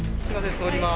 通ります。